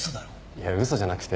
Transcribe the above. いや嘘じゃなくて。